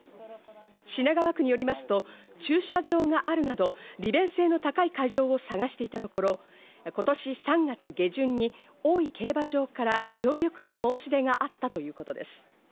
品川区によりますと、駐車場があるなど利便性の高い会場を探していたところ、今年３月下旬に大井競馬場から協力の申し出があったということです。